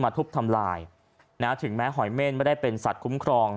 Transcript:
ทุบทำลายนะถึงแม้หอยเม่นไม่ได้เป็นสัตว์คุ้มครอง